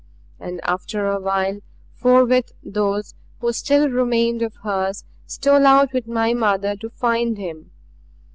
And after a while forthwith those who still remained of hers stole out with my mother to find him.